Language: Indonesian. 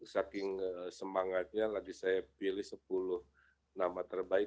saking semangatnya lagi saya pilih sepuluh nama terbaik